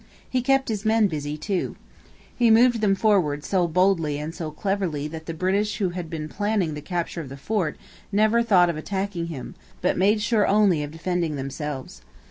He kept his men busy too. He moved them forward so boldly and so cleverly that the British who had been planning the capture of the fort never thought of attacking him, but made sure only of defending themselves.